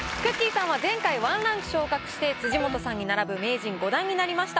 さんは前回１ランク昇格して辻元さんに並ぶ名人５段になりました。